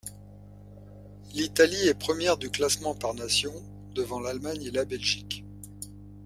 L'Italie est première du classement par nations, devant l'Allemagne et la Belgique.